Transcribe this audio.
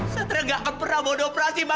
satria gak akan pernah mau dioperasi ma